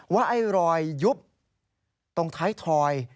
ว่าไอ้รอยยุบตรงท้ายถอย